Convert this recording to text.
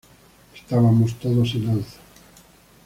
Estábamos todos en alza.